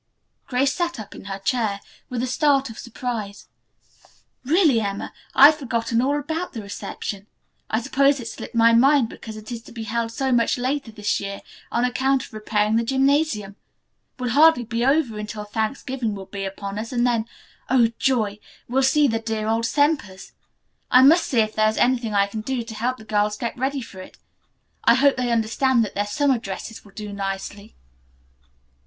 Grace sat up in her chair, with a start of surprise. "Really, Emma, I had forgotten all about the reception. I suppose it slipped my mind because it is to be held so much later this year on account of repairing the gymnasium. It will hardly be over until Thanksgiving will be upon us, and then, oh, joy! we'll see the dear old Sempers. I must see if there is anything I can do to help the girls get ready for it. I hope they understand that their summer dresses will do nicely."